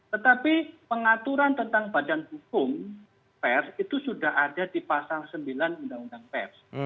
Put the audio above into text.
tetapi pengaturan tentang badan hukum pers itu sudah ada di pasal sembilan undang undang pers